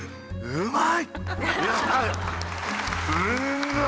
うまいッ！